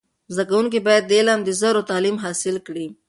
زده کوونکي باید د علم د زرو تعلیم حاصل کړي.